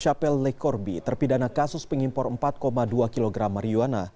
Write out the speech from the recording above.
chapelle le corbi terpidana kasus pengimpor empat dua kg marihuana